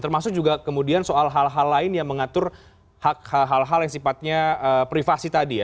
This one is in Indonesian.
termasuk juga kemudian soal hal hal lain yang mengatur hal hal yang sifatnya privasi tadi ya